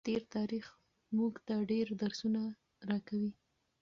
تېر تاریخ موږ ته ډېر درسونه راکوي.